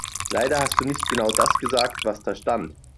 Leider hast du nicht genau das gesagt, was da stand.